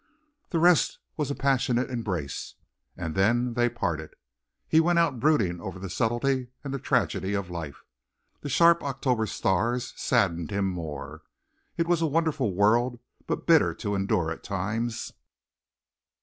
The rest was a passionate embrace. And then they parted. He went out brooding over the subtlety and the tragedy of life. The sharp October stars saddened him more. It was a wonderful world but bitter to endure at times.